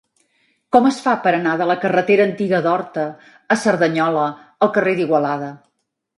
Com es fa per anar de la carretera Antiga d'Horta a Cerdanyola al carrer d'Igualada?